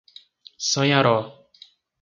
Sanharó